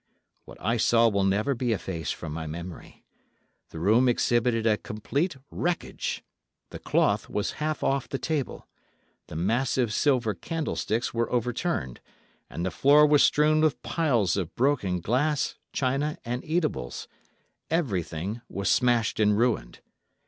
What I saw will never be effaced from my memory. The room exhibited a complete wreckage—the cloth was half off the table, the massive silver candlesticks were overturned, and the floor was strewn with piles of broken glass, china and eatables—everything was smashed and ruined.